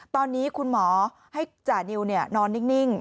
ตอนนี้คุณหมอให้จานิวนอนนิ่ง